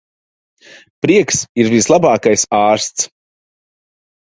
Prieks ir vislabākais ārsts.